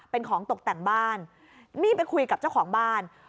เป็นของตกแต่งบ้านนี่ไปคุยกับเจ้าของบ้าน